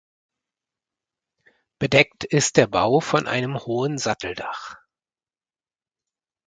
Bedeckt ist der Bau von einem hohen Satteldach.